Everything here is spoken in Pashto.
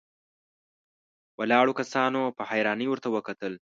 ولاړو کسانو په حيرانۍ ورته وکتل.